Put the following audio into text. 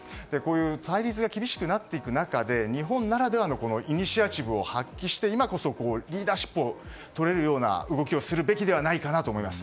対立が厳しくなっていく中で日本ならではのイニシアチブを発揮して、今こそリーダーシップをとれるような動きをするべきではないかなと思います。